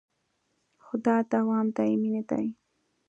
خو دا دوام دایمي نه دی